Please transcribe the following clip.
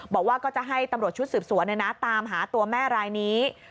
บอกว่าก็จะให้ตำรวจชุดสืบสวนตามหาตัวแม่รายนี้